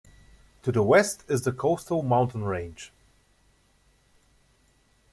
To the west is the Coastal Mountain Range.